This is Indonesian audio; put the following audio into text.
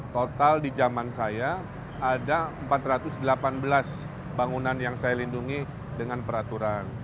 total di zaman saya ada empat ratus delapan belas bangunan yang saya lindungi dengan peraturan